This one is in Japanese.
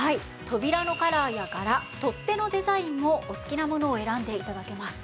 扉のカラーや柄取っ手のデザインもお好きなものを選んで頂けます。